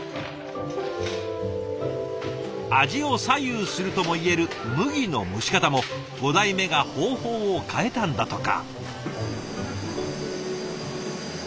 味を左右するともいえる麦の蒸し方も５代目が方法を変えたんだとか。